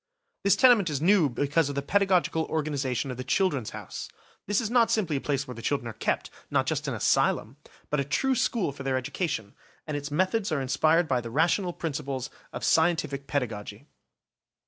This tenement is new also because of the pedagogical organisation of the "Children's House". This is not simply a place where the children are kept, not just an asylum, but a true school for their education, and its methods are inspired by the rational principles of scientific pedagogy.